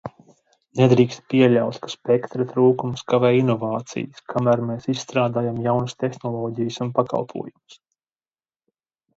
Nedrīkst pieļaut, ka spektra trūkums kavē inovācijas, kamēr mēs izstrādājam jaunas tehnoloģijas un pakalpojumus.